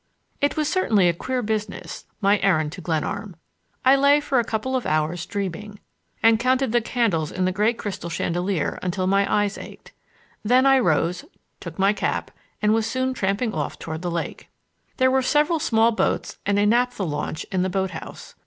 It was certainly a queer business, my errand to Glenarm. I lay for a couple of hours dreaming, and counted the candles in the great crystal chandelier until my eyes ached. Then I rose, took my cap, and was soon tramping off toward the lake. There were several small boats and a naphtha launch in the boat house.